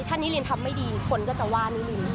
ถ้านิรินทำไม่ดีคนก็จะว่านิริน